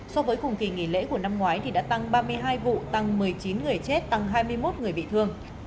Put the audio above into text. so với cùng kỳ nghỉ lễ của năm ngoái đã tăng ba mươi hai vụ tăng một mươi chín người chết tăng hai mươi một người bị thương